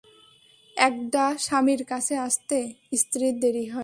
একদা স্বামীর কাছে আসতে স্ত্রীর দেরি হয়।